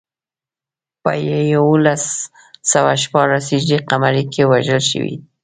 په یولس سوه شپاړس هجري قمري کې وژل شوی.